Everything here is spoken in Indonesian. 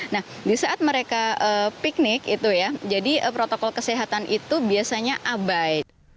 nah di saat mereka piknik itu ya jadi protokol kesehatan itu biasanya abai